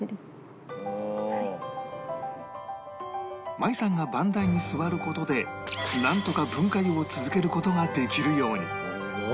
舞さんが番台に座る事でなんとか文化湯を続ける事ができるように